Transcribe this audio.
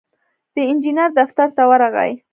د انجينر دفتر ته ورغی.